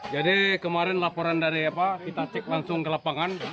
jadi kemarin laporan dari pak kita cek langsung ke lapangan